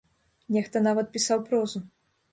Нехта нават пісаў прозу.